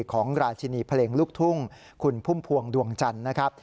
ของราชินีเพลงลูกทุ่งคุณพุ่มพวงดวงจันทร์นะครับ